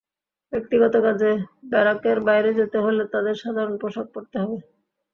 ব্যক্তিগত কাজে ব্যারাকের বাইরে যেতে হলে তাদের সাধারণ পোশাক পরতে হবে।